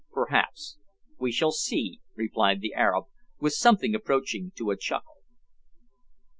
"Perhaps. We shall see," replied the Arab, with something approaching to a chuckle.